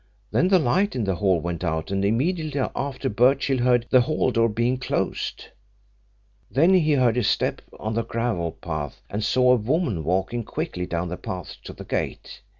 Then the light in the hall went out and immediately after Birchill heard the hall door being closed. Then he heard a step on the gravel path and saw a woman walking quickly down the path to the gate.